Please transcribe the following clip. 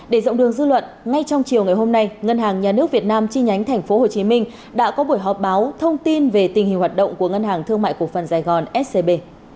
để rộng đường dư luận ngay trong chiều ngày hôm nay ngân hàng nhà nước việt nam chi nhánh tp hcm đã có buổi họp báo thông tin về tình hình hoạt động của ngân hàng thương mại cổ phần sài gòn scb